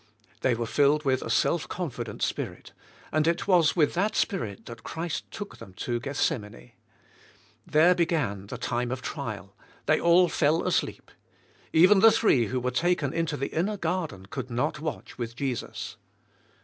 " They were filled with a self confident spirit, and it was with that spirit that Christ took them to Gethsemane. There began the time of trial; they all fell asleep. Even the three who were taken into the inner gar den could not watch with Jesus.